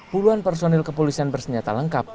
puluhan personil kepolisian bersenjata lengkap